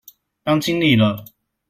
當經理了